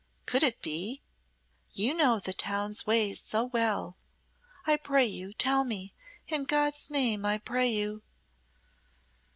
could it be? You know the town's ways so well. I pray you, tell me in God's name I pray you!"